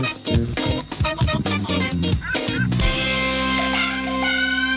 สวัสดีค่ะ